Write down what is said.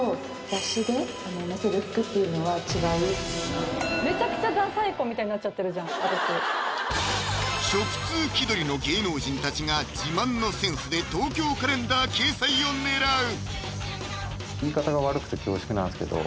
私食通気取りの芸能人たちが自慢のセンスで「東京カレンダー」掲載を狙う！